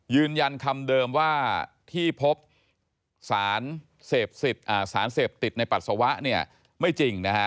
ยืนยันคำเดิมว่าที่พบสารเสพติดสารเสพติดในปัสสาวะเนี่ยไม่จริงนะฮะ